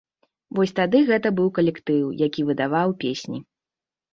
Вось тады гэта быў калектыў, які выдаваў песні!